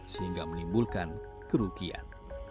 sehingga menimbulkan kerugian